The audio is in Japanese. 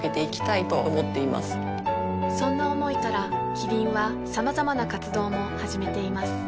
そんな思いからキリンはさまざまな活動も始めています